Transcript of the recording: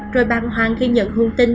rồi băng hoàng khi nhận thông tin